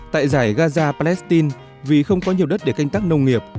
tại giải gaza palestine vì không có nhiều đất để canh tác nông nghiệp